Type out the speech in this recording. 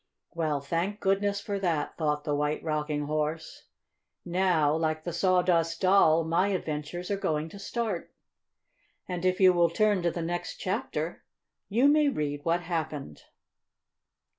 "Well, thank goodness for that!" thought the White Rocking Horse. "Now like the Sawdust Doll, my adventures are going to start." And, if you will turn to the next chapter, you may read what happened.